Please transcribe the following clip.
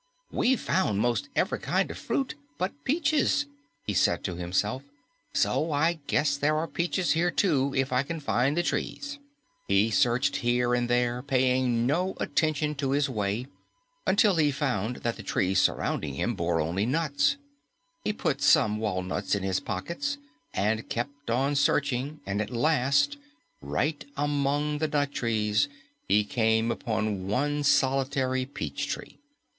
"We've found 'most ev'ry kind of fruit but peaches," he said to himself, "so I guess there are peaches here, too, if I can find the trees." He searched here and there, paying no attention to his way, until he found that the trees surrounding him bore only nuts. He put some walnuts in his pockets and kept on searching, and at last right among the nut trees he came upon one solitary peach tree.